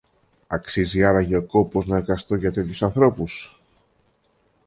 Αξίζει άραγε ο κόπος να εργαστώ για τέτοιους ανθρώπους